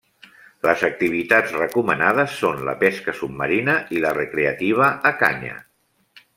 Les activitats recomanades són la pesca submarina i la recreativa a canya.